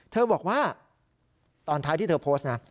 เธอบอกว่าตอนท้ายที่เธอโพสต์นะ